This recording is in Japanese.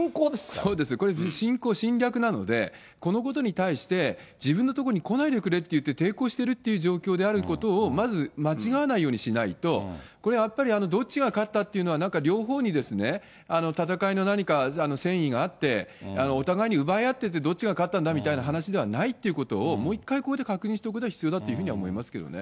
そうですよ、これ、侵攻、侵略なので、このことに対して、自分のところに来ないでくれって言って抵抗しているっていう状況であることを、まず間違わないようにしないと、これはやっぱり、どっちが勝ったっていうのは、なんか両方に、戦いの何か戦意があって、お互いに奪い合っててどっちが勝ったんだみたいな話ではないっていうことを、もう１回、ここで確認しておくことが必要だというふうには思いますけどね。